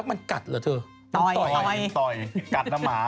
ไปดูรายละเอียดกัน